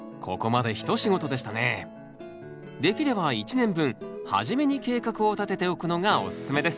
できれば１年分初めに計画をたてておくのがおすすめです。